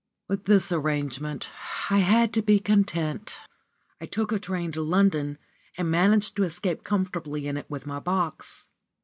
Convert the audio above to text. With this arrangement I had to be content. I took a train to London, and managed to escape comfortably in it with my box.